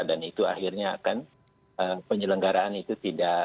dan itu akhirnya akan penyelenggaraan itu tidak